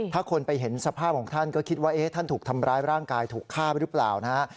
ถ้าคนไปเห็นสภาพของท่านก็คิดว่าท่านถูกทำร้ายร่างกายถูกฆ่าหรือเปล่านะฮะ